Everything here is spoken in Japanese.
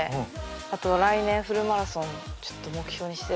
あと来年フルマラソンちょっと目標にしてるんで。